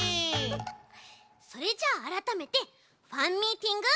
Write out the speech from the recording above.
それじゃああらためてファンミーティングスタートだち！